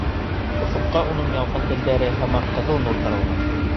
Офоҡҡа унан ялҡын телдәре һымаҡ ҡыҙыл нур таралған.